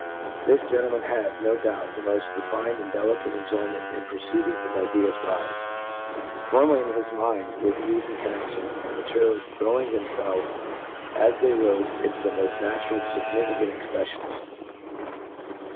' This gentleman had, no doubt, the m^ re fined and delicate enjoyment' in perceiving his ideas rife . formally in his mind, with cafe and coniteftion, liid materialfy throwing themfelvesy a? they f ofe, into the moll natural and fignifii. cant expreflions.